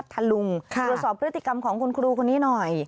หรือสอบพฤติกรรมของคุณครูคนนี้หน่อย